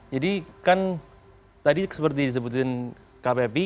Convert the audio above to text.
jadi kan tadi seperti disebutin kpp